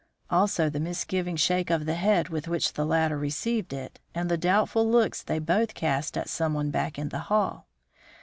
Also the misgiving shake of the head with which the latter received it, and the doubtful looks they both cast at someone back in the hall.